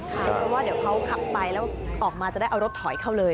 เพราะว่าเดี๋ยวเขาขับไปแล้วออกมาจะได้เอารถถอยเข้าเลย